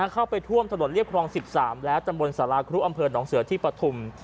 เข้าไปท่วมถนนเรียบครอง๑๓และตำบลสาราครุอำเภอหนองเสือที่ปฐุม